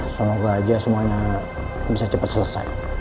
semoga aja semuanya bisa cepat selesai